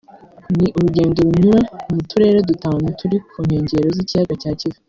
ni urugendo runyura mu turere dutanu turi ku nkengero z’ ikiyaga cya Kivu